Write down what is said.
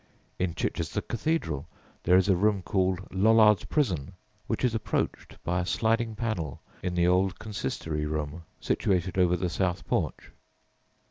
In Chichester Cathedral there is a room called Lollards' Prison, which is approached by a sliding panel in the old consistory room situated over the south porch.